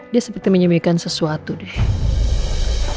dia seperti menyemaikan sesuatu deh